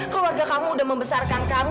keluarga kamu udah membesarkan kamu